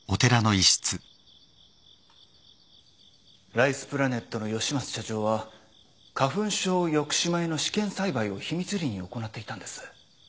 ライスプラネットの吉松社長は花粉症抑止米の試験栽培を秘密裏に行っていたんです。